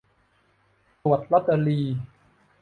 ตรวจลอตเตอรี